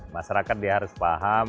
masyarakat dia harus paham